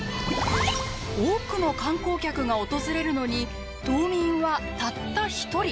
多くの観光客が訪れるのに島民はたった１人！